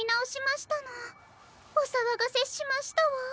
おさわがせしましたわ。